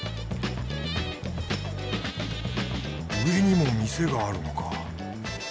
上にも店があるのか。